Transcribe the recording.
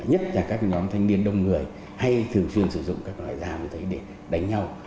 nhất là các nhóm thanh niên đông người hay thường xuyên sử dụng các loại dao để đánh nhau